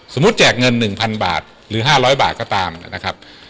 แจกเงิน๑๐๐๐บาทหรือ๕๐๐บาทก็ตามนะครับ